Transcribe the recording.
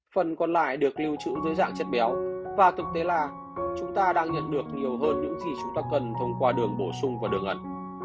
phần còn lại được lưu trữ dưới dạng chất béo và thực tế là chúng ta đang nhận được nhiều hơn những gì chúng ta cần thông qua đường bổ sung và đường ẩn